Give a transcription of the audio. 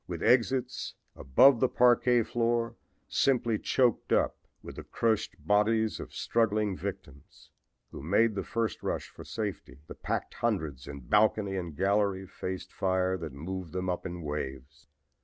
With exits above the parquet floor simply choked up with the crushed bodies of struggling victims, who made the first rush for safety, the packed hundreds in balcony and gallery faced fire that moved them up in waves.